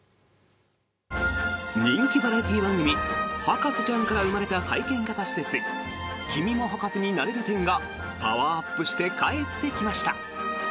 人気バラエティー番組「博士ちゃん」から生まれた体験型施設君も博士になれる展がパワーアップして帰ってきました！